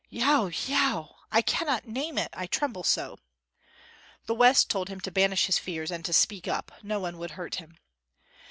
"Yeo, yeo! I cannot name it, I tremble so." The West told him to banish his fears and to speak up; no one would hurt him.